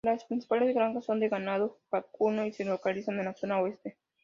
Las principales granjas son de ganado vacuno y se localizan en la zona oeste.